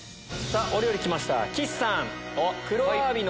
お料理来ました岸さん。